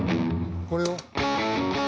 これを。